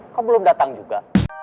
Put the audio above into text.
kok belum datang juga